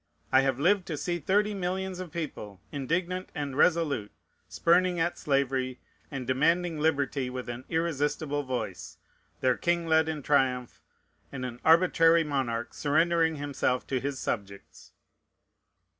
I have lived to see thirty millions of people, indignant and resolute, spurning at slavery, and demanding liberty with an irresistible voice; their king led in triumph, and an arbitrary monarch surrendering himself to his subjects."